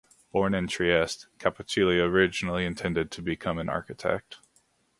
Born in Trieste, Cappuccilli originally intended to become an architect.